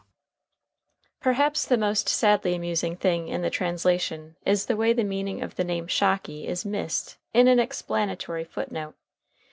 Perhaps the most sadly amusing thing in the translation is the way the meaning of the nickname Shocky is missed in an explanatory foot note.